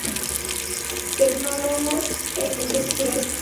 Tecnólogo e inventor popular autodidacta.